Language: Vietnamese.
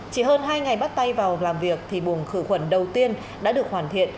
chỉ hơn hai ngày bắt tay vào làm việc thì buồng khử khuẩn đầu tiên đã được hoàn thiện